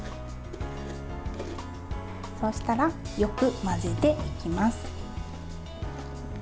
そうしたら、よく混ぜていきます。